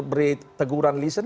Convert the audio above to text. beri teguran listen